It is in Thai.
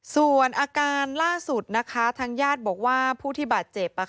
ส่วนอาการล่าสุดนะคะทางญาติบอกว่าผู้ที่บาดเจ็บ